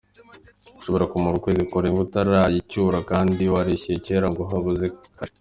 Ushobora kumara ukwezi kurenga utarayicyura kandi warishyuye kera ngo habuze kashe”.